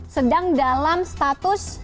sedang dalam status